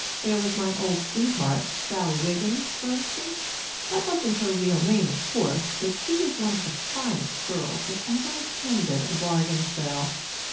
There was my old sweetheart, Sallie Wiggins, for instance that wasn't her real name, of course, but she was one of the finest girls that ever attended a bargain sale.